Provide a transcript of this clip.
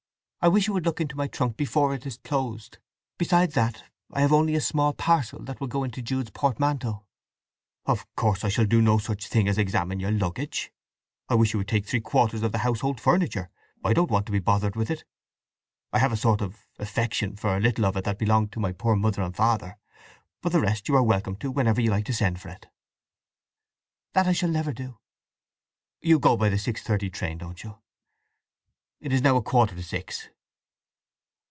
I wish you would look into my trunk before it is closed. Besides that I have only a small parcel that will go into Jude's portmanteau." "Of course I shall do no such thing as examine your luggage! I wish you would take three quarters of the household furniture. I don't want to be bothered with it. I have a sort of affection for a little of it that belonged to my poor mother and father. But the rest you are welcome to whenever you like to send for it." "That I shall never do." "You go by the six thirty train, don't you? It is now a quarter to six."